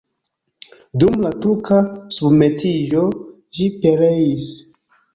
Dum la turka submetiĝo ĝi pereis.